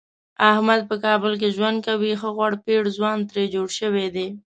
احمد په کابل کې ژوند کوي ښه غوړپېړ ځوان ترې جوړ شوی دی.